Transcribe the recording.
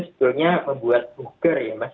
sebetulnya membuat booker ya mas